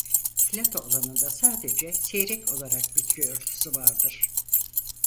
Plato alanında sadece seyrek olarak bitki örtüsü vardır.